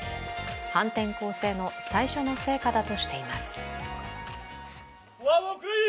反転攻勢の最初の成果だとしています。